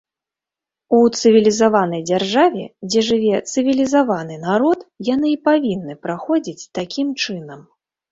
У цывілізаванай дзяржаве, дзе жыве цывілізаваны народ, яны і павінны праходзіць такім чынам.